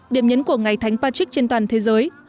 điểm nhấn của ngày thánh patric trên toàn thế giới